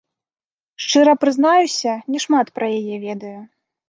Шчыра прызнаюся, не шмат пра яе ведаю.